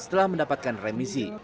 setelah mendapatkan remisi